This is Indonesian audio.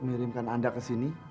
mirimkan anda kesini